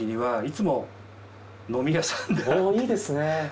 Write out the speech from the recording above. いいですね。